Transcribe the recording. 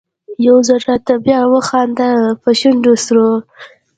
يو ځل راته بیا وخانده په شونډو سرو